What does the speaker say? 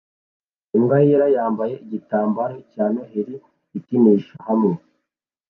Imbwa yera yambaye igitambaro cya Noheri ikinisha hamwe